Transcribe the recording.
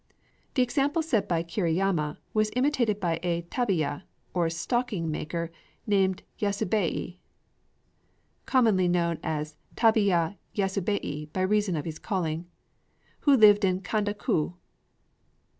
The example set by Kiriyama was imitated by a tabiya, or stocking maker named Yasubei (commonly known as Tabiya Yasubei by reason of his calling), who lived in Kanda ku.